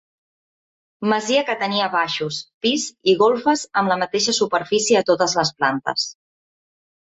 Masia que tenia baixos, pis i golfes amb la mateixa superfície a totes les plantes.